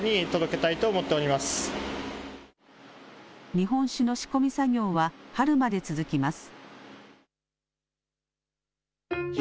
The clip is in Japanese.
日本酒の仕込み作業は春まで続きます。